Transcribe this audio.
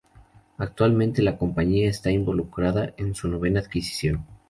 Actualmente, la compañía está involucrada en su novena adquisición.